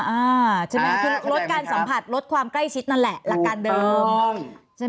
ใช่ไหมคือลดการสัมผัสลดความใกล้ชิดนั่นแหละหลักการเดิมใช่ไหม